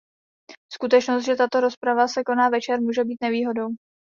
Skutečnost, že tato rozprava se koná večer, může být nevýhodou.